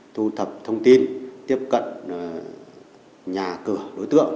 thu thập thông tin tiếp cận nhà cửa đối tượng